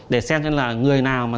để xem là người nào